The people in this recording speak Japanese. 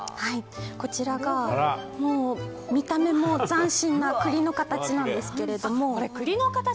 こちらが見た目も斬新な栗の形なんですけれども。